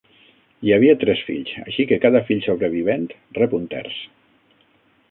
Hi havia tres fills, així que cada fill sobrevivent rep un terç.